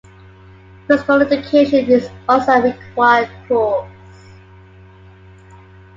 Physical Education is also a required course.